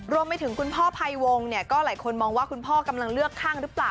รวมไปถึงคุณพ่อไพวงก็หลายคนมองว่าคุณพ่อกำลังเลือกข้างหรือเปล่า